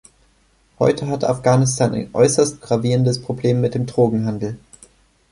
Heute hat Afghanistan ein äußerst gravierendes Problem mit dem Drogenhandel.